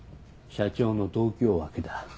社長の同郷枠だ。